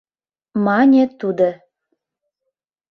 — мане тудо.